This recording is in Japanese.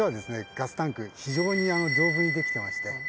ガスタンク非常に丈夫にできてまして。